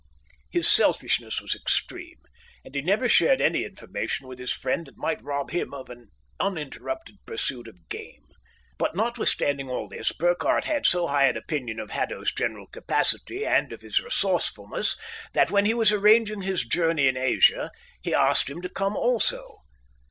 His selfishness was extreme, and he never shared any information with his friend that might rob him of an uninterrupted pursuit of game. But notwithstanding all this, Burkhardt had so high an opinion of Haddo's general capacity and of his resourcefulness that, when he was arranging his journey in Asia, he asked him to come also.